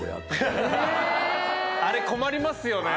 あれ困りますよね。